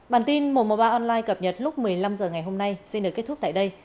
bản tin một trăm một mươi ba online cập nhật lúc một mươi năm h ngày hôm nay xin được kết thúc tại đây